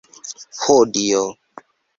Ho dio!